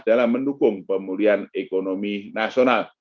dan mendukung pemulihan ekonomi nasional